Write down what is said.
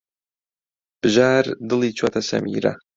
بژار دڵی چووەتە سەمیرە.